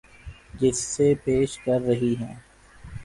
جسے پیش کر رہی ہیں